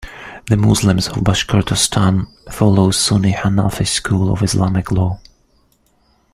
The Muslims of Bashkortostan follow Sunni Hanafi school of Islamic law.